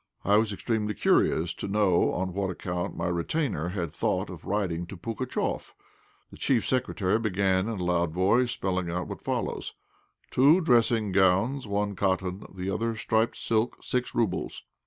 I was extremely curious to know on what account my retainer had thought of writing to Pugatchéf. The Chief Secretary began in a loud voice, spelling out what follows "Two dressing gowns, one cotton, the other striped silk, six roubles."